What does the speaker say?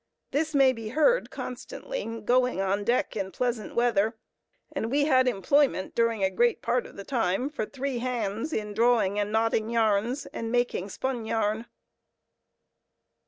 This may be heard constantly going on deck in pleasant weather; and we had employment, during a great part of the tune, for three hands in drawing and knotting yarns, and making spun yarn.